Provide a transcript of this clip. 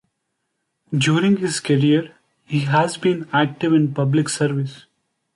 During his career, he has been active in public service.